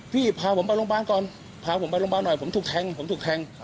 พี่พาผมไปโรงพยาบาลก่อนพาผมไปโรงพยาบาลหน่อยผมถูกแทง